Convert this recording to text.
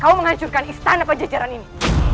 kau menghancurkan istana pajajaran ini